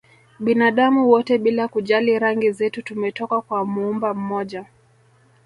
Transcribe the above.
Binadamu wote bila kujali rangi zetu tumetoka kwa Muumba mmoja